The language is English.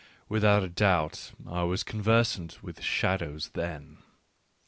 Without a doubt I was conversant with shadows then.